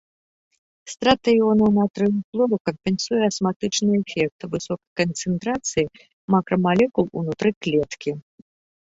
Страта іонаў натрыю і хлору кампенсуе асматычны эфект высокай канцэнтрацыі макрамалекул унутры клеткі.